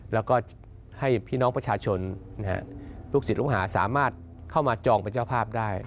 แล้วก็ให้พี่น้องประชาชนลูกศิษย์ลูกหาสามารถเข้ามาจองเป็นเจ้าภาพได้